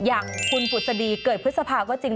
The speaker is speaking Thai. อย่างคุณผุศดีเกิดพฤษภาก็จริง